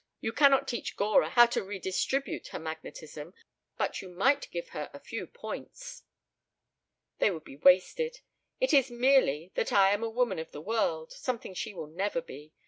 You cannot teach Gora how to redistribute her magnetism, but you might give her a few points." "They would be wasted. It is merely that I am a woman of the world, something she will never be.